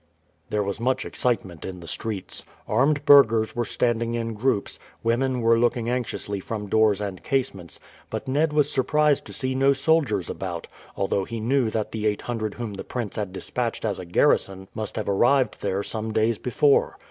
There was much excitement in the streets. Armed burghers were standing in groups, women were looking anxiously from doors and casements; but Ned was surprised to see no soldiers about, although he knew that the eight hundred whom the prince had despatched as a garrison must have arrived there some days before.